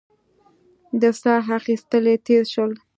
د سا اخېستل يې تېز شول.